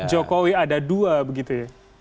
jokowi ada dua begitu ya